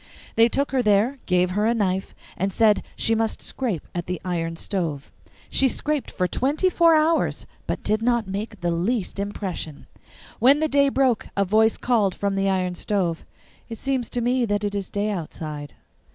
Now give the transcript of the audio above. They took her there, gave her a knife, and said she must scrape at the iron stove. She scraped for twenty four hours, but did not make the least impression. When the day broke, a voice called from the iron stove, 'It seems to me that it is day outside.